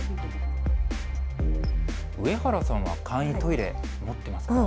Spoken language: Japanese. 上原さんは簡易トイレ、持っていますか？